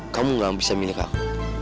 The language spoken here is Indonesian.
kamu gak bisa milik aku